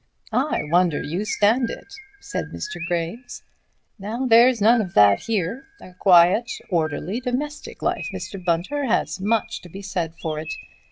"I wonder you stand it," said Mr. Graves. "Now there's none of that here. A quiet, orderly, domestic life, Mr. Bunter, has much to be said for it.